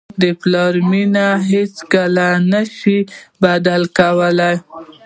د پلار مینه هیڅوک نه شي بدیل کولی.